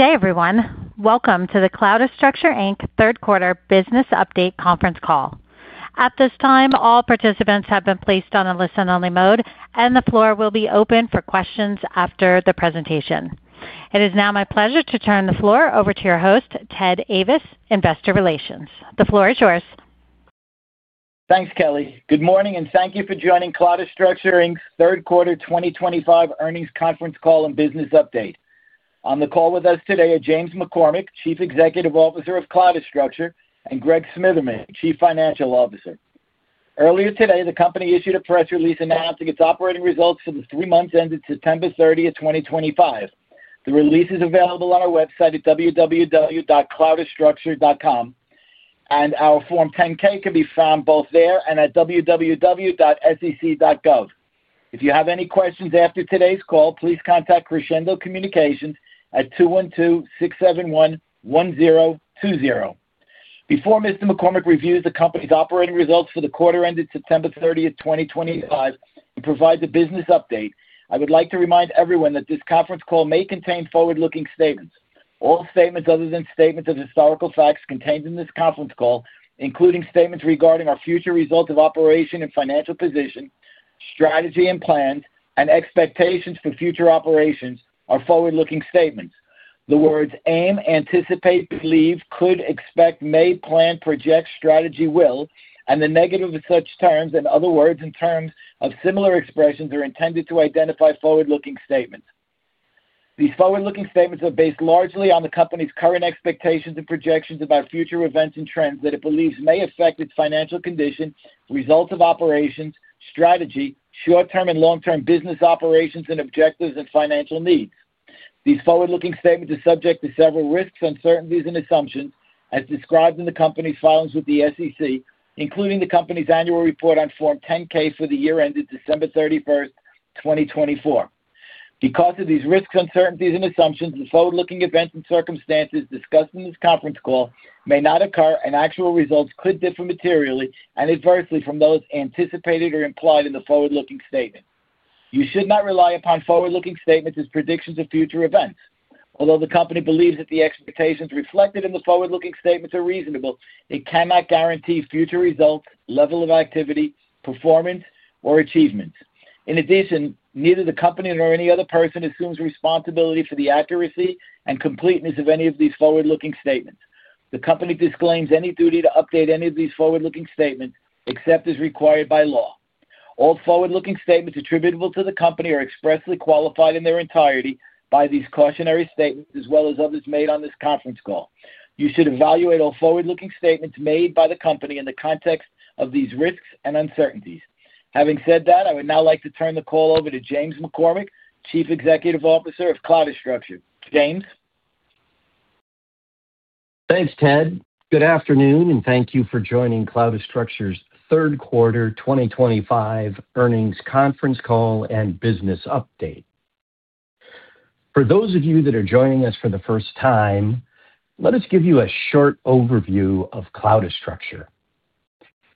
Today, everyone, welcome to the Cloudastructure third quarter business update conference call. At this time, all participants have been placed on a listen-only mode, and the floor will be open for questions after the presentation. It is now my pleasure to turn the floor over to your host, Ted Ayvas, Investor Relations. The floor is yours. Thanks, Kelly. Good morning, and thank you for joining Cloudastructure third quarter 2025 earnings conference call and business update. On the call with us today are James McCormick, Chief Executive Officer of Cloudastructure, and Greg Smitherman, Chief Financial Officer. Earlier today, the company issued a press release announcing its operating results for the three months ending September 30th, 2025. The release is available on our website at www.cloudastructure.com, and our Form 10-K can be found both there and at www.sec.gov. If you have any questions after today's call, please contact Crescendo Communications at 212-671-1020. Before Mr. McCormick reviews the company's operating results for the quarter ending September 30th, 2025, and provides a business update, I would like to remind everyone that this conference call may contain forward-looking statements. All statements other than statements of historical facts contained in this conference call, including statements regarding our future results of operation and financial position, strategy and plans, and expectations for future operations, are forward-looking statements. The words "aim," "anticipate," "believe," "could," "expect," "may," "plan," "project," "strategy," "will," and the negative of such terms, and other words and terms of similar expressions, are intended to identify forward-looking statements. These forward-looking statements are based largely on the company's current expectations and projections about future events and trends that it believes may affect its financial condition, results of operations, strategy, short-term and long-term business operations and objectives, and financial needs. These forward-looking statements are subject to several risks, uncertainties, and assumptions, as described in the company's filings with the SEC, including the company's annual report on Form 10-K for the year ending December 31st, 2024. Because of these risks, uncertainties, and assumptions, the forward-looking events and circumstances discussed in this conference call may not occur, and actual results could differ materially and adversely from those anticipated or implied in the forward-looking statement. You should not rely upon forward-looking statements as predictions of future events. Although the company believes that the expectations reflected in the forward-looking statements are reasonable, it cannot guarantee future results, level of activity, performance, or achievements. In addition, neither the company nor any other person assumes responsibility for the accuracy and completeness of any of these forward-looking statements. The company disclaims any duty to update any of these forward-looking statements except as required by law. All forward-looking statements attributable to the company are expressly qualified in their entirety by these cautionary statements, as well as others made on this conference call. You should evaluate all forward-looking statements made by the company in the context of these risks and uncertainties. Having said that, I would now like to turn the call over to James McCormick, Chief Executive Officer of Cloudastructure. James. Thanks, Ted. Good afternoon, and thank you for joining Cloudastructure's third quarter 2025 earnings conference call and business update. For those of you that are joining us for the first time, let us give you a short overview of Cloudastructure.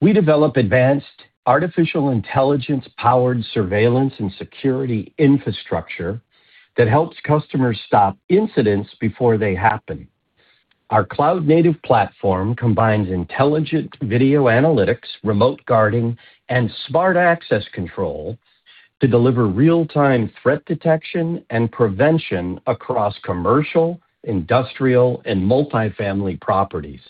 We develop advanced artificial intelligence-powered surveillance and security infrastructure that helps customers stop incidents before they happen. Our cloud-native platform combines intelligent video analytics, remote guarding, and smart access control to deliver real-time threat detection and prevention across commercial, industrial, and multifamily properties.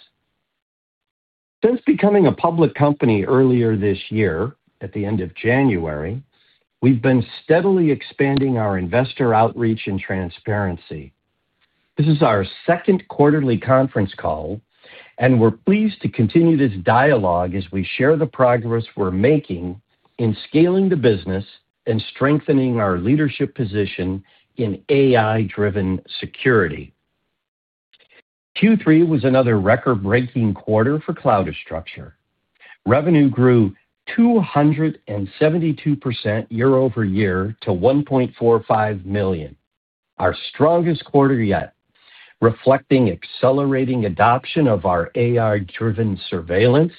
Since becoming a public company earlier this year, at the end of January, we've been steadily expanding our investor outreach and transparency. This is our second quarterly conference call, and we're pleased to continue this dialogue as we share the progress we're making in scaling the business and strengthening our leadership position in AI-driven security. Q3 was another record-breaking quarter for Cloudastructure. Revenue grew 272% year-over-year to $1.45 million, our strongest quarter yet, reflecting accelerating adoption of our AI-driven surveillance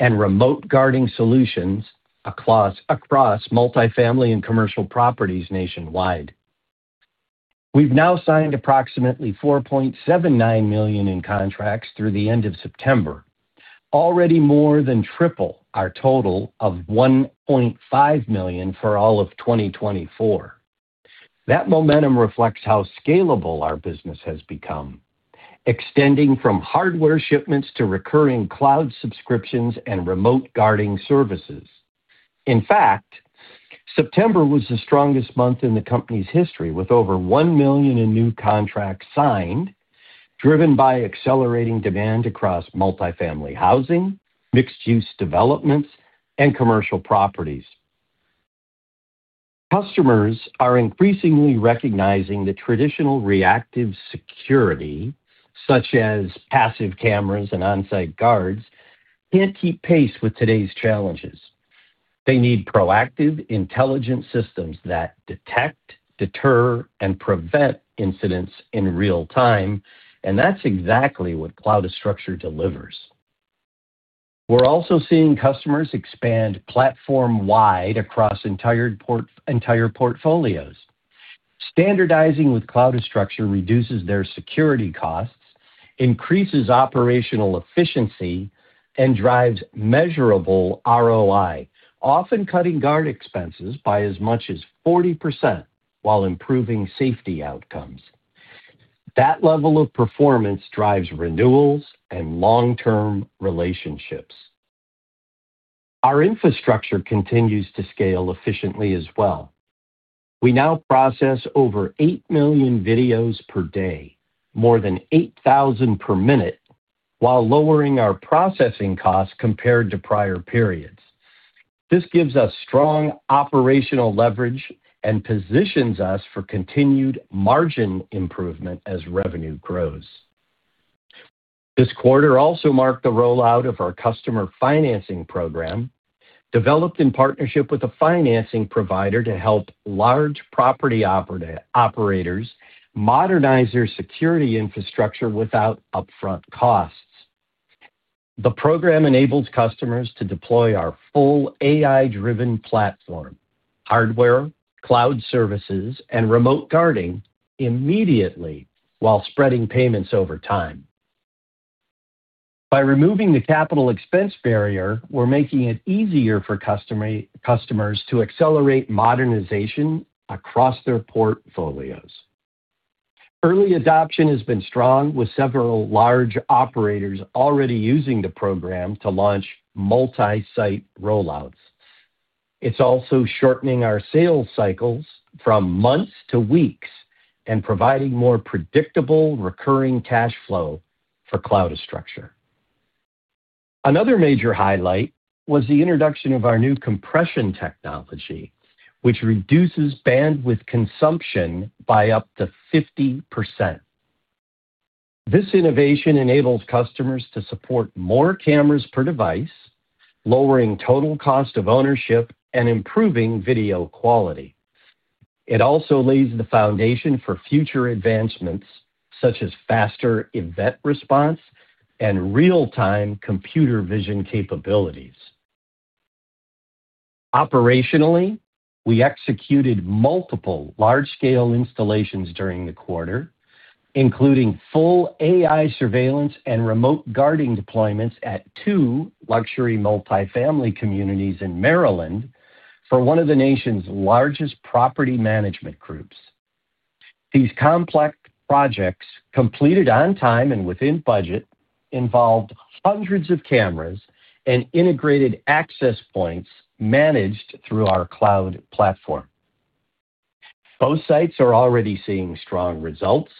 and remote guarding solutions across multifamily and commercial properties nationwide. We've now signed approximately $4.79 million in contracts through the end of September, already more than triple our total of $1.5 million for all of 2024. That momentum reflects how scalable our business has become, extending from hardware shipments to recurring cloud subscriptions and remote guarding services. In fact, September was the strongest month in the company's history, with over $1 million in new contracts signed, driven by accelerating demand across multifamily housing, mixed-use developments, and commercial properties. Customers are increasingly recognizing that traditional reactive security, such as passive cameras and on-site guards, can't keep pace with today's challenges. They need proactive, intelligent systems that detect, deter, and prevent incidents in real time, and that's exactly what Cloudastructure delivers. We're also seeing customers expand platform-wide across entire portfolios. Standardizing with Cloudastructure reduces their security costs, increases operational efficiency, and drives measurable ROI, often cutting guard expenses by as much as 40% while improving safety outcomes. That level of performance drives renewals and long-term relationships. Our infrastructure continues to scale efficiently as well. We now process over 8 million videos per day, more than 8,000 per minute, while lowering our processing costs compared to prior periods. This gives us strong operational leverage and positions us for continued margin improvement as revenue grows. This quarter also marked the rollout of our customer financing program, developed in partnership with a financing provider to help large property operators modernize their security infrastructure without upfront costs. The program enables customers to deploy our full AI-driven platform, hardware, cloud services, and remote guarding immediately while spreading payments over time. By removing the capital expense barrier, we're making it easier for customers to accelerate modernization across their portfolios. Early adoption has been strong, with several large operators already using the program to launch multi-site rollouts. It's also shortening our sales cycles from months to weeks and providing more predictable recurring cash flow for Cloudastructure. Another major highlight was the introduction of our new compression technology, which reduces bandwidth consumption by up to 50%. This innovation enables customers to support more cameras per device, lowering total cost of ownership and improving video quality. It also lays the foundation for future advancements such as faster event response and real-time computer vision capabilities. Operationally, we executed multiple large-scale installations during the quarter, including full AI surveillance and remote guarding deployments at two luxury multifamily communities in Maryland for one of the nation's largest property management groups. These complex projects, completed on time and within budget, involved hundreds of cameras and integrated access points managed through our cloud platform. Both sites are already seeing strong results,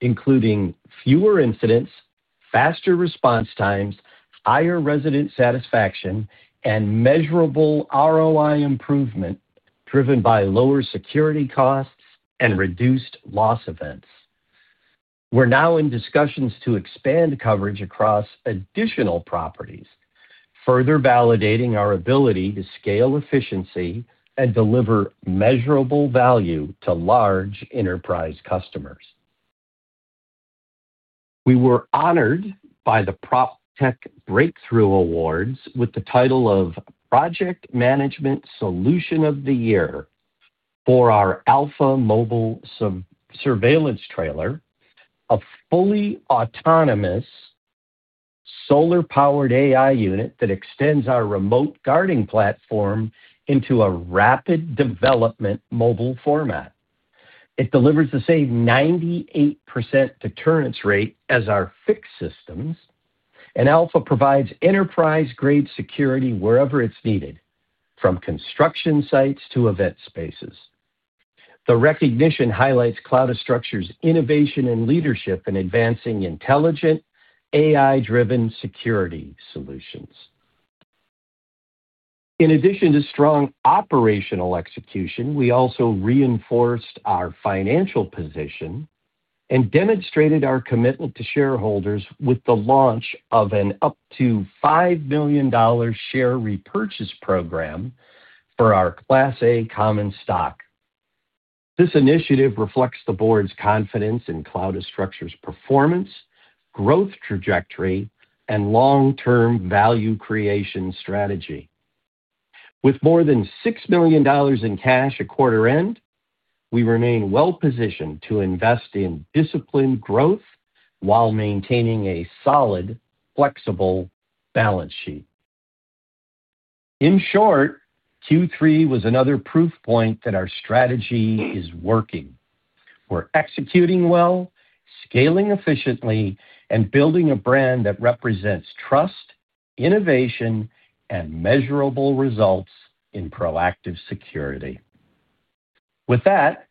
including fewer incidents, faster response times, higher resident satisfaction, and measurable ROI improvement driven by lower security costs and reduced loss events. We are now in discussions to expand coverage across additional properties, further validating our ability to scale efficiency and deliver measurable value to large enterprise customers. We were honored by the PropTech Breakthrough Awards with the title of Project Management Solution of the Year for our Alpha Mobile Surveillance Trailer, a fully autonomous solar-powered AI unit that extends our remote guarding platform into a rapid development mobile format. It delivers the same 98% deterrence rate as our fixed systems, and Alpha provides enterprise-grade security wherever it is needed, from construction sites to event spaces. The recognition highlights Cloudastructure's innovation and leadership in advancing intelligent AI-driven security solutions. In addition to strong operational execution, we also reinforced our financial position and demonstrated our commitment to shareholders with the launch of an up to $5 million share repurchase program for our Class A Common Stock. This initiative reflects the board's confidence in Cloudastructure's performance, growth trajectory, and long-term value creation strategy. With more than $6 million in cash at quarter end, we remain well-positioned to invest in disciplined growth while maintaining a solid, flexible balance sheet. In short, Q3 was another proof point that our strategy is working. We're executing well, scaling efficiently, and building a brand that represents trust, innovation, and measurable results in proactive security. With that,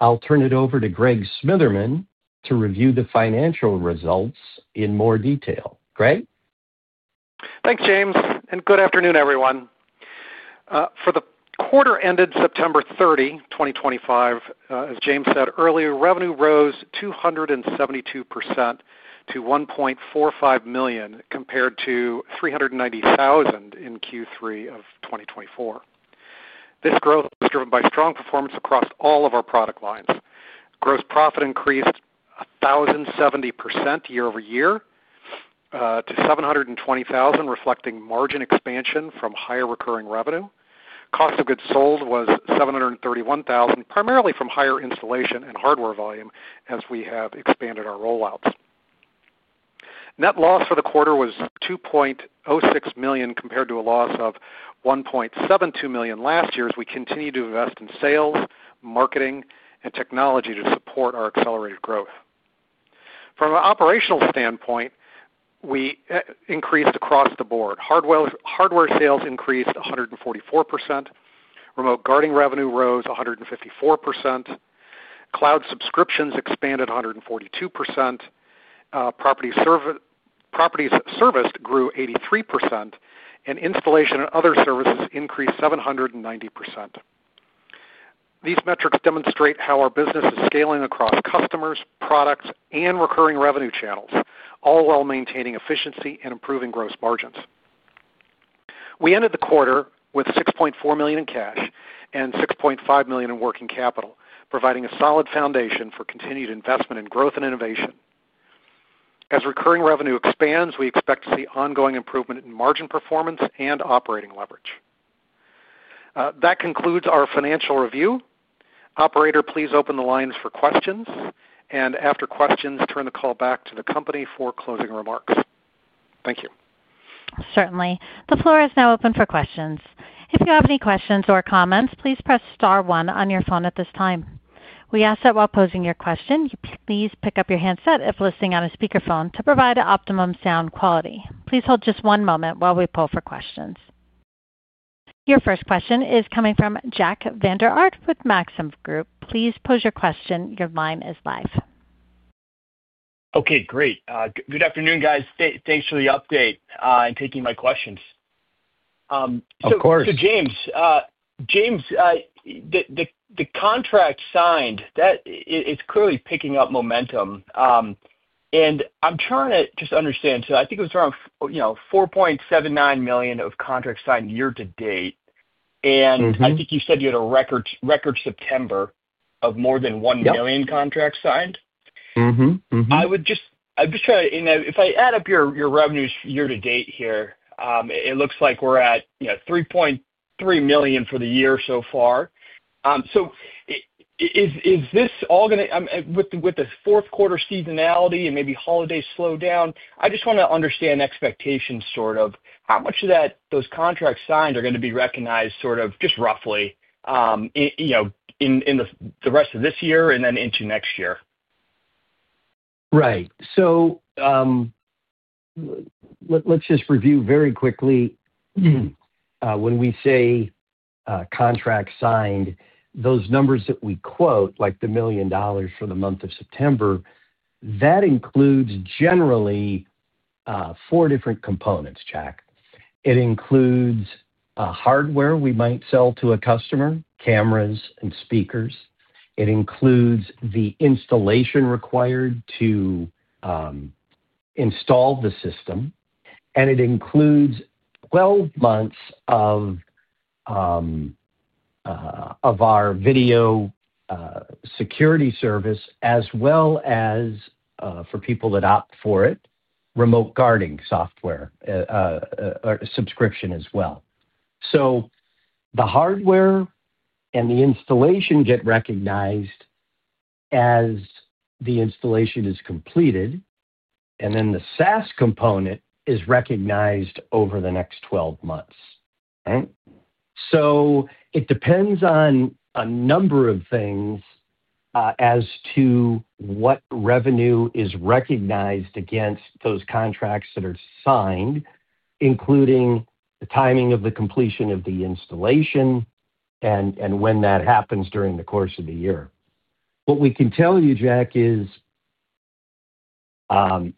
I'll turn it over to Greg Smitherman to review the financial results in more detail. Greg? Thanks, James, and good afternoon, everyone. For the quarter ended September 30, 2025, as James said earlier, revenue rose 272% to $1.45 million compared to $390,000 in Q3 of 2024. This growth was driven by strong performance across all of our product lines. Gross profit increased 1,070% year-over-year to $720,000, reflecting margin expansion from higher recurring revenue. Cost of goods sold was $731,000, primarily from higher installation and hardware volume as we have expanded our rollouts. Net loss for the quarter was $2.06 million compared to a loss of $1.72 million last year as we continued to invest in sales, marketing, and technology to support our accelerated growth. From an operational standpoint, we increased across the board. Hardware sales increased 144%. Remote guarding revenue rose 154%. Cloud subscriptions expanded 142%. Properties serviced grew 83%, and installation and other services increased 790%. These metrics demonstrate how our business is scaling across customers, products, and recurring revenue channels, all while maintaining efficiency and improving gross margins. We ended the quarter with $6.4 million in cash and $6.5 million in working capital, providing a solid foundation for continued investment in growth and innovation. As recurring revenue expands, we expect to see ongoing improvement in margin performance and operating leverage. That concludes our financial review. Operator, please open the lines for questions, and after questions, turn the call back to the company for closing remarks. Thank you. Certainly. The floor is now open for questions. If you have any questions or comments, please press star one on your phone at this time. We ask that while posing your question, you please pick up your handset if listening on a speakerphone to provide optimum sound quality. Please hold just one moment while we pull for questions. Your first question is coming from Jack Vander Aarde with Maxim Group. Please pose your question. Your line is live. Okay, great. Good afternoon, guys. Thanks for the update and taking my questions. Of course. James, the contract signed, it's clearly picking up momentum. I'm trying to just understand. I think it was around $4.79 million of contracts signed year to date. I think you said you had a record September of more than $1 million contracts signed. I was just trying to, if I add up your revenues year to date here, it looks like we're at $3.3 million for the year so far. Is this all going to, with the fourth quarter seasonality and maybe holidays slowed down, I just want to understand expectations, sort of how much of those contracts signed are going to be recognized, sort of just roughly in the rest of this year and then into next year? Right. Let's just review very quickly. When we say contracts signed, those numbers that we quote, like the $1 million for the month of September, that includes generally four different components, Jack. It includes hardware we might sell to a customer, cameras and speakers. It includes the installation required to install the system. It includes 12 months of our video security service, as well as, for people that opt for it, remote guarding software subscription as well. The hardware and the installation get recognized as the installation is completed, and then the SaaS component is recognized over the next 12 months. It depends on a number of things as to what revenue is recognized against those contracts that are signed, including the timing of the completion of the installation and when that happens during the course of the year. What we can tell you, Jack, is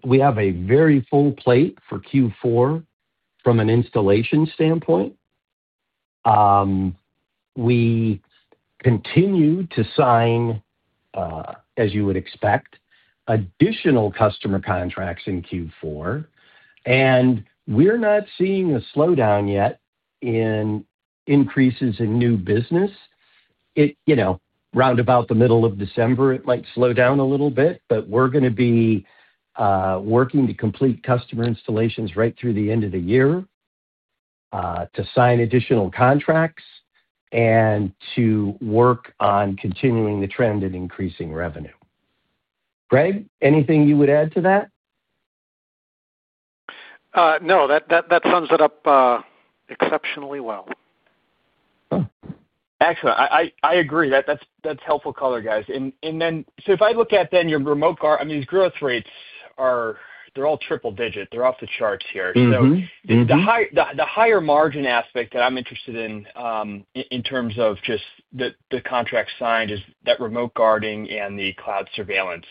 we have a very full plate for Q4 from an installation standpoint. We continue to sign, as you would expect, additional customer contracts in Q4, and we're not seeing a slowdown yet in increases in new business. Round about the middle of December, it might slow down a little bit, but we're going to be working to complete customer installations right through the end of the year to sign additional contracts and to work on continuing the trend and increasing revenue. Greg, anything you would add to that? No, that sums it up exceptionally well. Excellent. I agree. That's helpful color, guys. If I look at then your remote guard, I mean, these growth rates, they're all triple-digit. They're off the charts here. The higher margin aspect that I'm interested in in terms of just the contracts signed is that remote guarding and the cloud surveillance.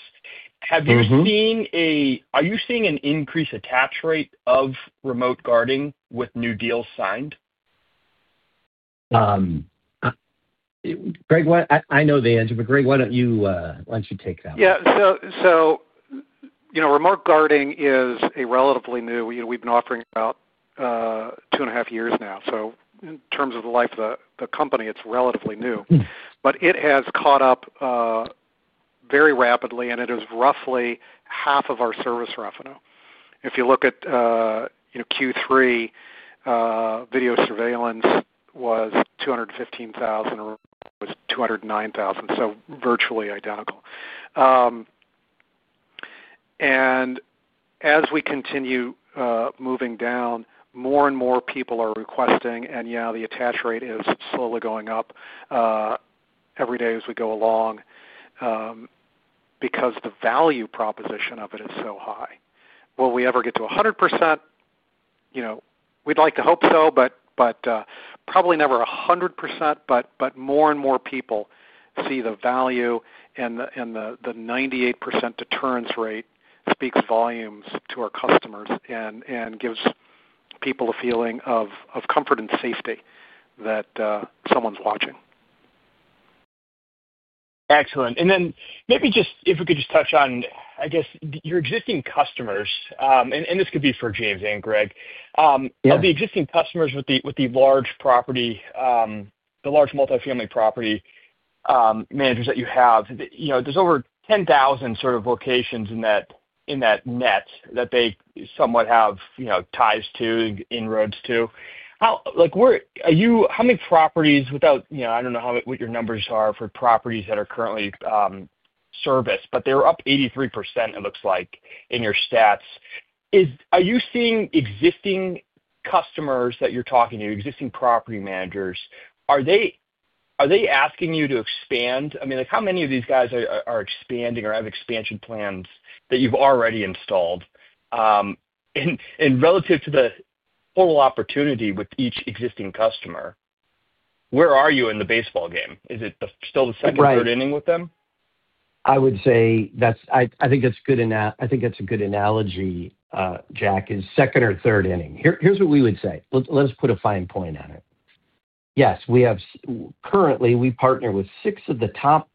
Have you seen a—are you seeing an increased attach rate of remote guarding with new deals signed? Greg, I know the answer, but Greg, why don't you take that one? Yeah. Remote guarding is a relatively new—we've been offering it about two and a half years now. In terms of the life of the company, it's relatively new. It has caught up very rapidly, and it is roughly half of our service revenue. If you look at Q3, video surveillance was $215,000, remote was $209,000, so virtually identical. As we continue moving down, more and more people are requesting, and yeah, the attach rate is slowly going up every day as we go along because the value proposition of it is so high. Will we ever get to 100%? We'd like to hope so, but probably never 100%, but more and more people see the value, and the 98% deterrence rate speaks volumes to our customers and gives people a feeling of comfort and safety that someone's watching. Excellent. If we could just touch on, I guess, your existing customers, and this could be for James and Greg. Of the existing customers with the large property, the large multifamily property managers that you have, there are over 10,000 sort of locations in that net that they somewhat have ties to, inroads to. How many properties without—I do not know what your numbers are for properties that are currently serviced, but they are up 83%, it looks like, in your stats. Are you seeing existing customers that you are talking to, existing property managers, are they asking you to expand? I mean, how many of these guys are expanding or have expansion plans that you have already installed? Relative to the total opportunity with each existing customer, where are you in the baseball game? Is it still the second or third inning with them? I would say that's—I think that's good—I think that's a good analogy, Jack, is second or third inning. Here's what we would say. Let us put a fine point on it. Yes, currently, we partner with six of the top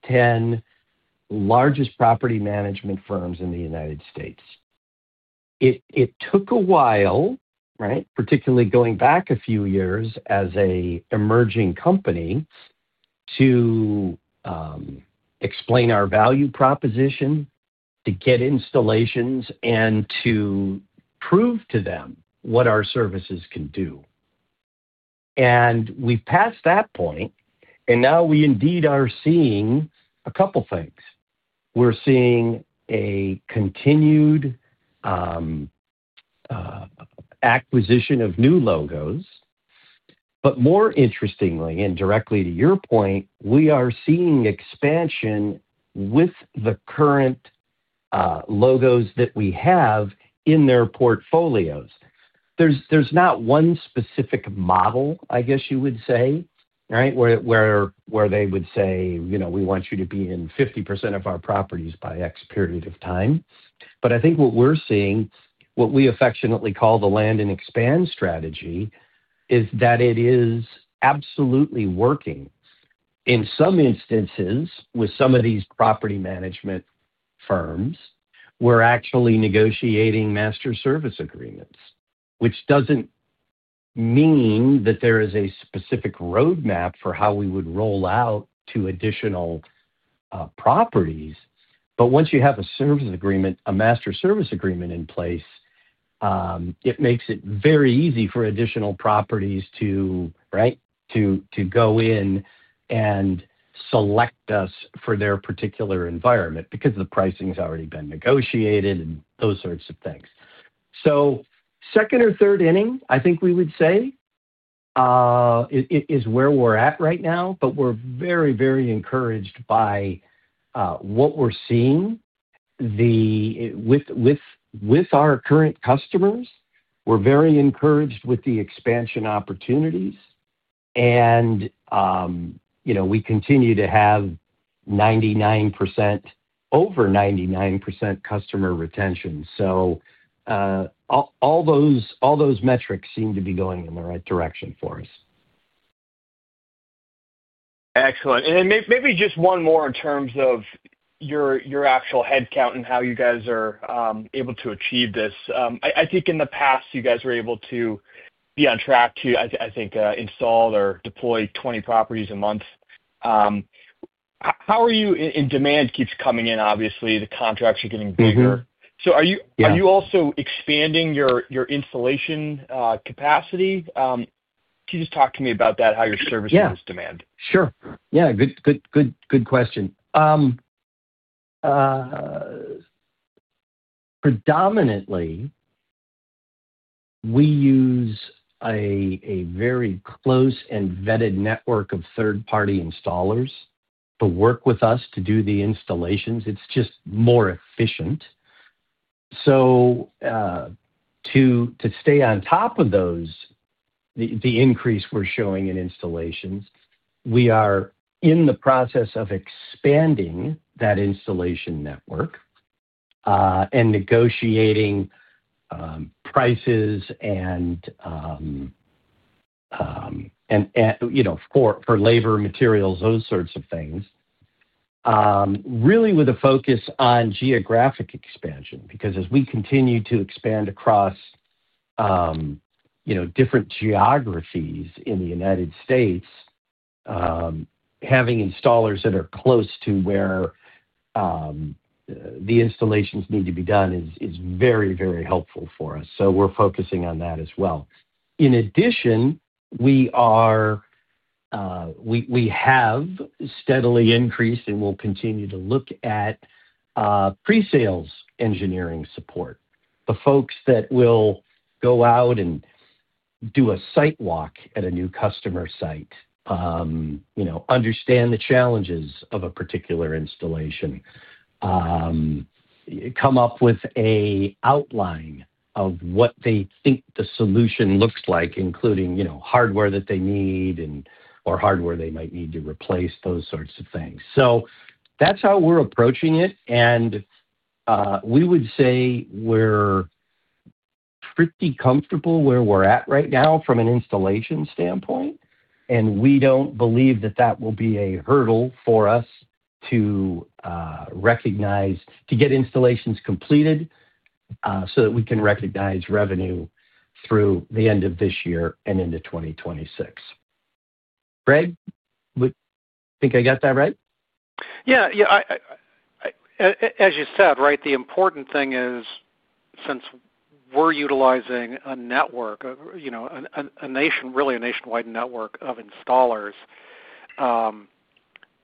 10 largest property management firms in the United States. It took a while, right, particularly going back a few years as an emerging company, to explain our value proposition, to get installations, and to prove to them what our services can do. We've passed that point, and now we indeed are seeing a couple of things. We're seeing a continued acquisition of new logos. More interestingly, and directly to your point, we are seeing expansion with the current logos that we have in their portfolios. There's not one specific model, I guess you would say, right, where they would say, "We want you to be in 50% of our properties by X period of time." I think what we're seeing, what we affectionately call the land and expand strategy, is that it is absolutely working. In some instances, with some of these property management firms, we're actually negotiating master service agreements, which doesn't mean that there is a specific roadmap for how we would roll out to additional properties. Once you have a service agreement, a master service agreement in place, it makes it very easy for additional properties to, right, to go in and select us for their particular environment because the pricing has already been negotiated and those sorts of things. Second or third inning, I think we would say, is where we're at right now, but we're very, very encouraged by what we're seeing with our current customers. We're very encouraged with the expansion opportunities, and we continue to have 99%, over 99% customer retention. All those metrics seem to be going in the right direction for us. Excellent. Maybe just one more in terms of your actual headcount and how you guys are able to achieve this. I think in the past, you guys were able to be on track to, I think, install or deploy 20 properties a month. How are you—and demand keeps coming in, obviously. The contracts are getting bigger. Are you also expanding your installation capacity? Can you just talk to me about that, how you're servicing this demand? Yeah. Sure. Yeah. Good question. Predominantly, we use a very close and vetted network of third-party installers to work with us to do the installations. It's just more efficient. To stay on top of those, the increase we're showing in installations, we are in the process of expanding that installation network and negotiating prices for labor, materials, those sorts of things, really with a focus on geographic expansion. Because as we continue to expand across different geographies in the United States, having installers that are close to where the installations need to be done is very, very helpful for us. We're focusing on that as well. In addition, we have steadily increased and will continue to look at presales engineering support, the folks that will go out and do a site walk at a new customer site, understand the challenges of a particular installation, come up with an outline of what they think the solution looks like, including hardware that they need or hardware they might need to replace, those sorts of things. That is how we are approaching it. We would say we are pretty comfortable where we are at right now from an installation standpoint, and we do not believe that that will be a hurdle for us to recognize to get installations completed so that we can recognize revenue through the end of this year and into 2026. Greg, I think I got that right? Yeah. As you said, right, the important thing is since we're utilizing a network, a really nationwide network of installers,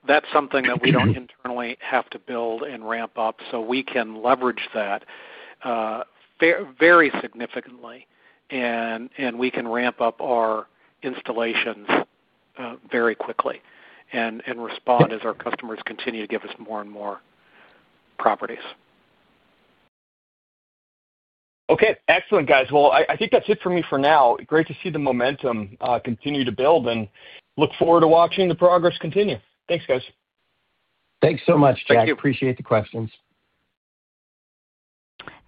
that's something that we don't internally have to build and ramp up. We can leverage that very significantly, and we can ramp up our installations very quickly and respond as our customers continue to give us more and more properties. Okay. Excellent, guys. I think that's it for me for now. Great to see the momentum continue to build, and look forward to watching the progress continue. Thanks, guys. Thanks so much, Jack. Thank you. Appreciate the questions.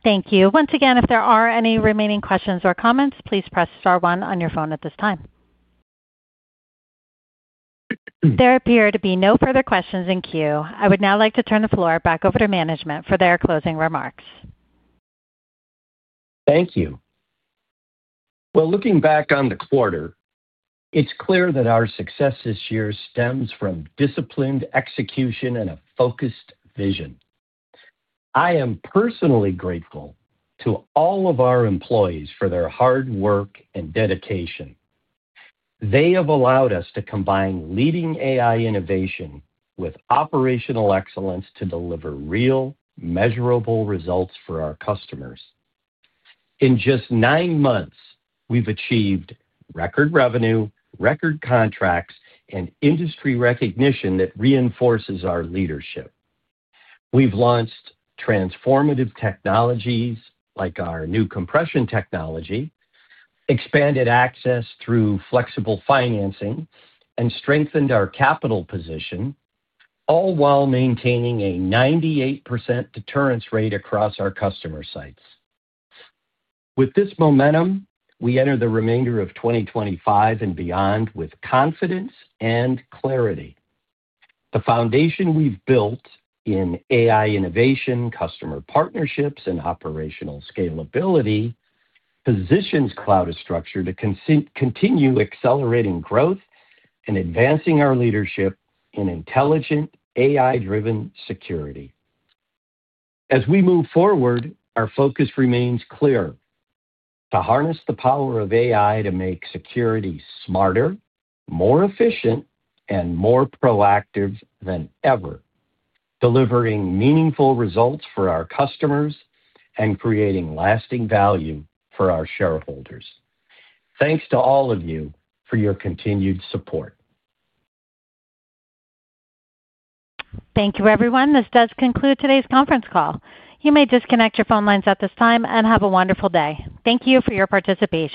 Thank you. Once again, if there are any remaining questions or comments, please press star one on your phone at this time. There appear to be no further questions in queue. I would now like to turn the floor back over to management for their closing remarks. Thank you. Looking back on the quarter, it's clear that our success this year stems from disciplined execution and a focused vision. I am personally grateful to all of our employees for their hard work and dedication. They have allowed us to combine leading AI innovation with operational excellence to deliver real, measurable results for our customers. In just nine months, we've achieved record revenue, record contracts, and industry recognition that reinforces our leadership. We've launched transformative technologies like our new compression technology, expanded access through flexible financing, and strengthened our capital position, all while maintaining a 98% deterrence rate across our customer sites. With this momentum, we enter the remainder of 2025 and beyond with confidence and clarity. The foundation we've built in AI innovation, customer partnerships, and operational scalability positions Cloudastructure to continue accelerating growth and advancing our leadership in intelligent AI-driven security. As we move forward, our focus remains clear: to harness the power of AI to make security smarter, more efficient, and more proactive than ever, delivering meaningful results for our customers and creating lasting value for our shareholders. Thanks to all of you for your continued support. Thank you, everyone. This does conclude today's conference call. You may disconnect your phone lines at this time and have a wonderful day. Thank you for your participation.